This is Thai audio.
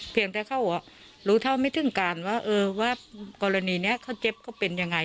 เพียงแต่เขารู้เท่าไม่ถึงการว่าเออว่ากรณีนี้เขาเจ็บเขาเป็นยังไง